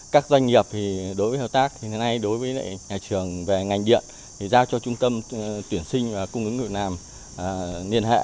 các doanh nghiệp đối với hợp tác đối với nhà trường về ngành điện giao cho trung tâm tuyển sinh và cung ứng người nam liên hệ